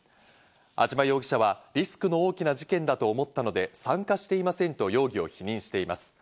安島容疑者は、リスクの大きな事件だと思ったので参加していませんと容疑を否認しています。